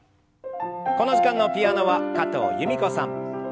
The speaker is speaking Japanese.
この時間のピアノは加藤由美子さん。